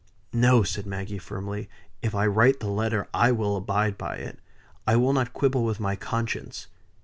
"No!" said Maggie, firmly. "If I write the letter I abide by it. I will not quibble with my conscience.